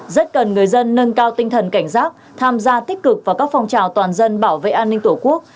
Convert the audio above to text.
rất cần người dân nâng cao tinh thần cảnh giác tham gia tích cực vào các phong trào toàn dân bảo vệ an ninh tổ quốc